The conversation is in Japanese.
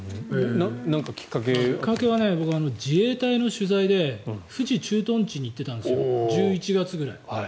きっかけは自衛隊の取材で富士駐屯地に行っていたんです１１月ぐらい。